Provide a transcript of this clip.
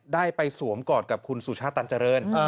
ได้ไปสวมกอดกับคุณสุชาตาจริง